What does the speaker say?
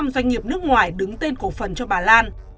năm doanh nghiệp nước ngoài đứng tên cổ phần cho bà lan